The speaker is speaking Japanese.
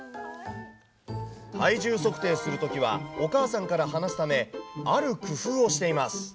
体重測定するときは、お母さんから離すため、ある工夫をしています。